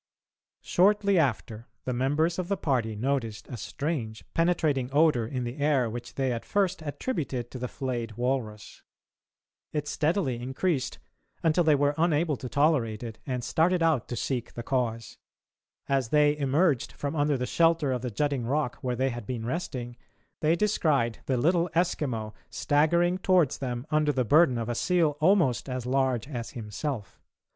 Shortly after, the members of the party noticed a strange penetrating odour in the air which they at first attributed to the flayed walrus. It steadily increased, until they were unable to tolerate it, and started out to seek the cause. As they emerged from under the shelter of the jutting rock where they had been resting, they descried the little Eskimo staggering towards them under the burden of a seal almost as large as himself.